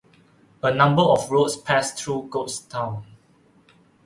A number of roads pass through Goatstown.